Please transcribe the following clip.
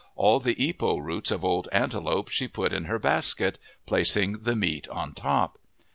All the ipo roots of Old Antelope she put in her basket, placing the meat on top.